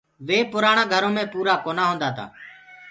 وي پُرآڻآ گھرو مي پورآ ڪونآ هوندآ تآ۔